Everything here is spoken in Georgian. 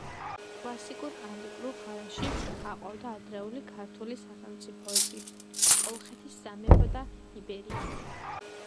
კლასიკურ ანტიკურ ხანაში აყვავდა ადრეული ქართული სახელმწიფოები კოლხეთის სამეფო და იბერია.